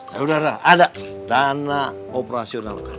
ya udara ada dana operasional